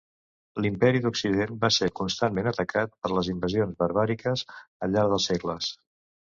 L'imperi d'Occident va ser constantment atacat per les invasions barbàriques al llarg dels segles.